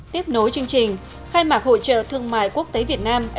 tiếp nối chương trình khai mạc hội trợ thương mại quốc tế việt nam expo hai nghìn một mươi bảy